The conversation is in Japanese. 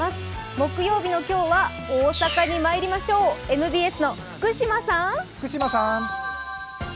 木曜日の今日は大阪にまいりましょう、ＭＢＳの福島さーん。